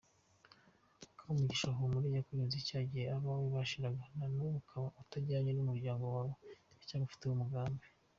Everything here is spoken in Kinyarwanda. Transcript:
Kamugisha humura iyakurinze cyagihe abawe bashiraga nubu ukaba utajyanye n’umuryango wawe iracyagufiteho umugambi.